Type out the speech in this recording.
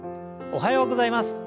おはようございます。